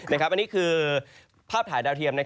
อันนี้คือภาพถ่ายดาวเทียม